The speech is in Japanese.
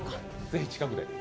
ぜひ近くで。